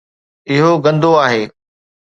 اهو گندو آهي